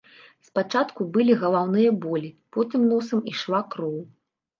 Спачатку былі галаўныя болі, потым носам ішла кроў.